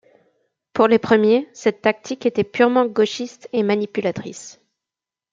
Pour les premiers, cette tactique était purement gauchiste et manipulatrice.